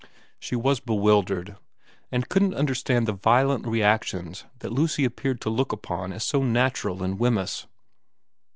She was bewildered, and couldn't under stand the violent reactions that Lucy appeared to look upon as so natural in Wemyss.